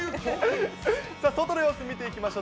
外の様子見ていきましょう。